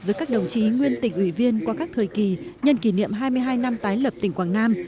với các đồng chí nguyên tỉnh ủy viên qua các thời kỳ nhân kỷ niệm hai mươi hai năm tái lập tỉnh quảng nam